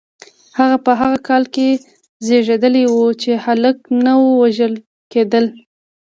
هغه په هغه کال کې زیږیدلی و چې هلکان نه وژل کېدل.